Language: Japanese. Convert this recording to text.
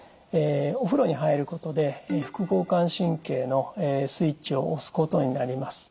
お風呂に入ることで副交感神経のスイッチを押すことになります。